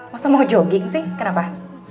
masa mau jogging sih kenapa